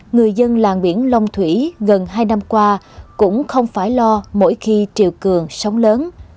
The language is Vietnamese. người dân làng biển long thủy gần hai năm qua cũng không phải lo mỗi khi triều cường sóng lớn